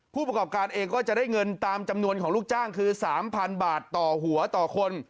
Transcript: ผู้ประกอบการเองก็จะได้เงินตามจำนวนของลูกจ้างคือ๓๐๐๐บาทต่อหัวต่อคน